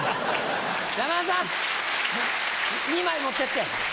山田さん２枚持ってって。